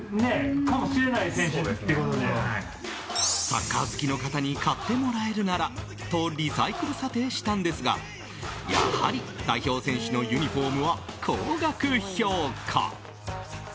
サッカー好きの方に買ってもらえるならとリサイクル査定したんですがやはり代表選手のユニホームは高額評価。